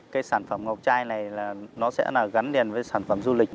cái sản phẩm ngọc chai này là nó sẽ gắn liền với sản phẩm du lịch